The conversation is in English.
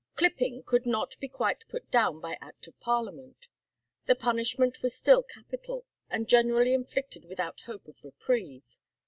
Clipping could not be quite put down by act of Parliament. The punishment was still capital, and generally inflicted without hope of reprieve.